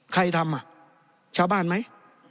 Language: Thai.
ใครทำชาวบ้านไหม